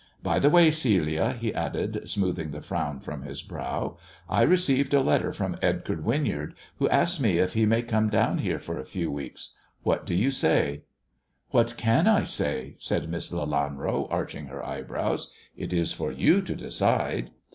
By the way, Celia," he added, smoothing the frown from his brow, " I received a letter from Edgar Winyard, who asks if he may come down here for a few weeks. What do you say ]" "What can I say]" said Miss Lelanro, arching her brows. " It is for you to decide."